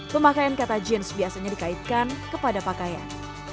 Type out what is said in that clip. pemakaian kata jeans biasanya dikaitkan kepada pakaian